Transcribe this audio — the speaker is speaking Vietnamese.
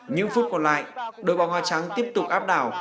những phút còn lại đội bóng hoa trắng tiếp tục áp đảo